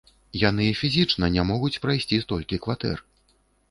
Яны фізічна не могуць прайсці столькі кватэр.